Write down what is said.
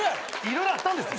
色々あったんですよ。